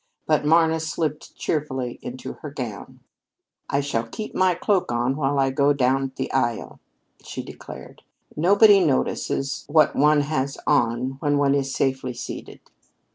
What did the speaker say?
But Marna slipped cheerfully into her gown. "I shall keep my cloak on while we go down the aisle," she declared. "Nobody notices what one has on when one is safely seated.